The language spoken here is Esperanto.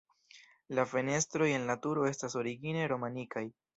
La fenestroj en la turo estas origine romanikaj.